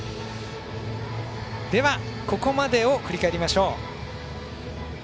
では、ここまでを振り返りましょう。